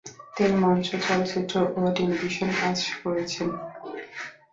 তিনি মঞ্চ, চলচ্চিত্র ও টেলিভিশন কাজ করেছেন।